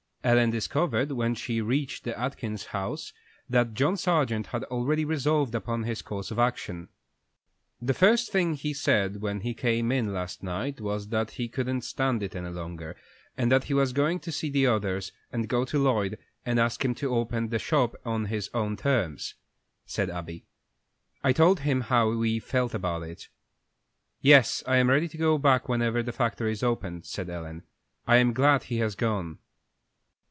Ellen discovered, when she reached the Atkins house, that John Sargent had already resolved upon his course of action. "The first thing he said when he came in last night was that he couldn't stand it any longer, and he was going to see the others, and go to Lloyd, and ask him to open the shop on his own terms," said Abby. "I told him how we felt about it." "Yes, I am ready to go back whenever the factory is opened," said Ellen. "I am glad he has gone."